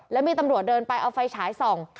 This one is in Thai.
แล้วมีตำรวจเดินไปเอาไฟฉายส่อง